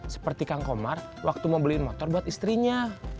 seperti kang komar waktu mau beliin motor buat istrinya